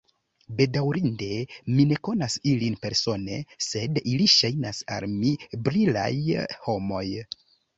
Bedaŭrinde, mi ne konas ilin persone, sed ili ŝajnas al mi brilaj homoj.